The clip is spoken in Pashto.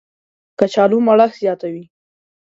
کچالو مړښت زیاتوي